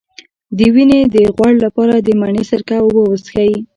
د وینې د غوړ لپاره د مڼې سرکه او اوبه وڅښئ